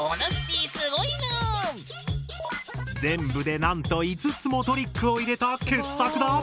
全部でなんと５つもトリックを入れた傑作だ。